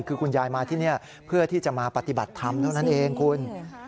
คือคุณยายมาที่นี่เพื่อที่จะมาปฏิบัติธรรมเท่านั้นเองคุณ